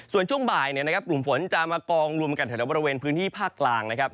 ส่วนช่วงบ่ายกลุ่มฝนจะมากองรวมกันแถวบริเวณพื้นที่ภาคกลางนะครับ